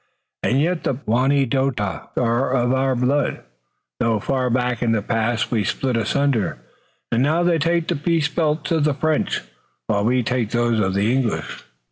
And yet the Wanedote are of our blood, though far back in the past we split asunder, and now they take the peace belts of the French, while we take those of the English."